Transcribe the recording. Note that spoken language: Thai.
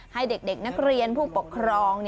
ให้เด็กนักเรียนผู้ปกครอง